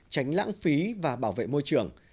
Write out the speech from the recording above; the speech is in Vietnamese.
tránh lãng phí và bảo vệ môi trường